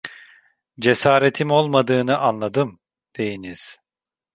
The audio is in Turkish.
Cesaretim olmadığını anladım, deyiniz.